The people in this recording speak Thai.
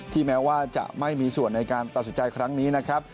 แม้ว่าจะไม่มีส่วนในการตัดสินใจครั้งนี้นะครับ